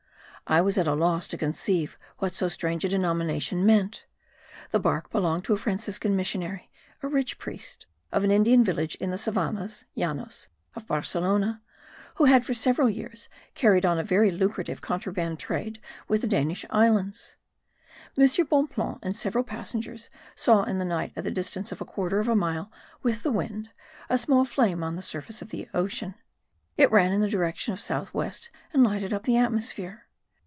I was at a loss to conceive what so strange a denomination meant. The bark belonged to a Franciscan missionary, a rich priest of am Indian village in the savannahs (Llanos) of Barcelona, who had for several years carried on a very lucrative contraband trade with the Danish islands. M. Bonpland and several passengers saw in the night at the distance of a quarter of a mile, with the wind, a small flame on the surface of the ocean; it ran in the direction of south west and lighted up the atmosphere.